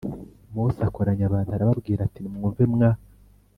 Mose akoranya abantu arababwira ati nimwumve mwa